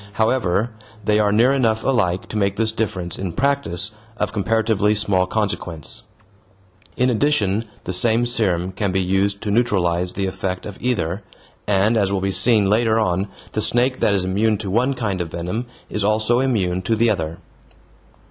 However, they are near enough alike to make this difference, in practice, of comparatively small consequence. In practice the same serum can be used to neutralize the effect of either, and, as will be seen later on, the snake that is immune to one kind of venom is also immune to the other.